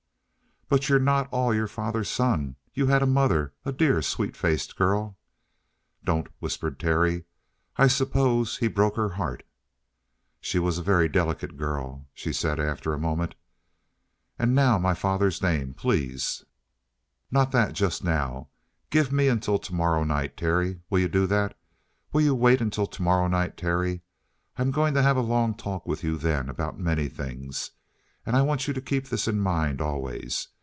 "But you're not all your father's son. You had a mother. A dear, sweet faced girl " "Don't!" whispered Terry. "I suppose he broke her heart?" "She was a very delicate girl," she said after a moment. "And now my father's name, please?" "Not that just now. Give me until tomorrow night, Terry. Will you do that? Will you wait till tomorrow night, Terry? I'm going to have a long talk with you then, about many things. And I want you to keep this in mind always.